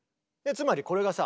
つまりこれがさ